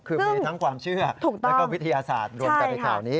คือมีทั้งความเชื่อแล้วก็วิทยาศาสตร์รวมกันในข่าวนี้